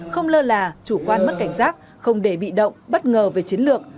không lơ là chủ quan mất cảnh giác không để bị động bất ngờ về chiến lược